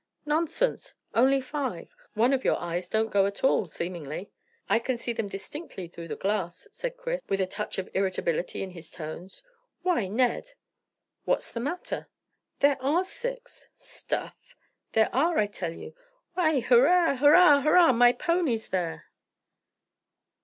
"Nonsense! Only five. One of your eyes don't go at all, seemingly." "I can see them distinctly through the glass," cried Chris, with a touch of irritability in his tones. "Why, Ned!" "What's the matter?" "There are six." "Stuff!" "There are, I tell you. Why, hurrah! hurrah! hurrah! My pony's there."